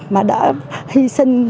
mà đã hy sinh